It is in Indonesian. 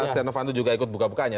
stenovanto juga ikut buka bukanya